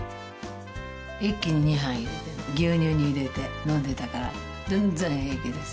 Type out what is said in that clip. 一気に２杯牛乳に入れて飲んでたから全然平気です。